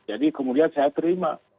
jadi kemudian saya terima